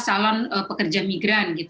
salon pekerja migran